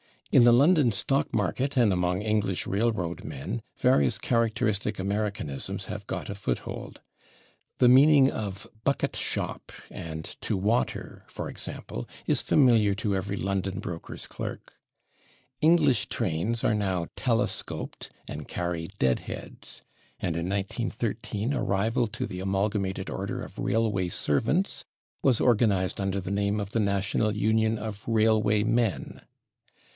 In the London stock market and among English railroad men various characteristic Americanisms have got a foothold. The meaning of /bucket shop/ and /to water/, for example, is familiar to every London broker's clerk. English trains are now /telescoped/ and carry /dead heads/, and in 1913 a rival to the Amalgamated Order of Railway /Servants/ was organized under the name of the National Union of /Railway Men